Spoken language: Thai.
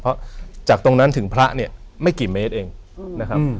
เพราะจากตรงนั้นถึงพระเนี่ยไม่กี่เมตรเองนะครับ